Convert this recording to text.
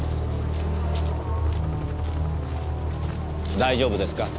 大丈夫ですか？